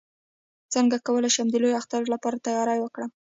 څنګه کولی شم د لوی اختر لپاره تیاری وکړم